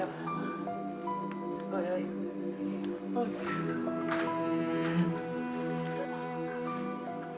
เฮ้ยเฮ้ย